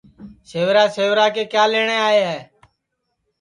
سیوا سیوا کے کیا لئیٹؔے آئے ہے